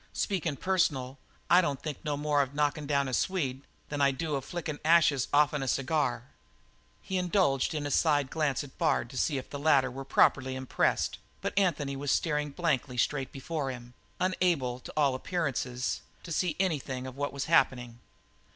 Speakin' personal, I don't think no more of knockin' down a Swede than I do of flickin' the ashes off'n a cigar." He indulged in a side glance at Bard to see if the latter were properly impressed, but Anthony was staring blankly straight before him, unable, to all appearances, to see anything of what was happening.